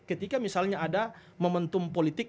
ketika misalnya ada momentum politik